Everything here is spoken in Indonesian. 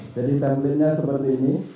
jadi templatenya seperti ini